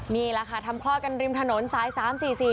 มีล่ะค่ะทำคลอดกันริมถนนสายสามสี่สี่